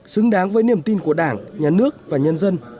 xứng đáng với niềm tin của đảng nhà nước và nhân dân